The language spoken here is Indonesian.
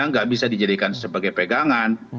nggak bisa dijadikan sebagai pegangan